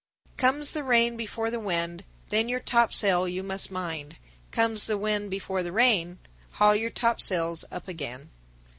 _ 1048. Comes the rain before the wind, Then your topsail you must mind. Comes the wind before the rain, Haul your topsails up again.